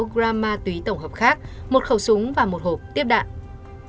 bảy mươi sáu gram ma túy tổng hợp khác một khẩu súng và một hộp tiếp đạn